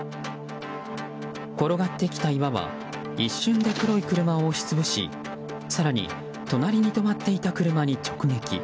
転がってきた岩は一瞬で黒い車を押し潰し更に、隣に止まっていた車に直撃。